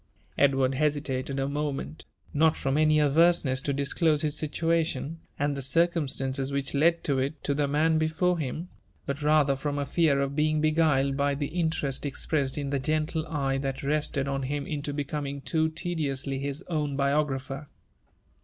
Edward hesitated a moment, not from any averseness to disclose hi» situation and the circumstances which led to it to the man before him. UO UFA AND ADVENTUEBS OF but Ntder from a fear of being beguiled by t)ie intorast eipr^a^ed io the gentle eye that rested on liim into becoming too tediously bi« own biographer.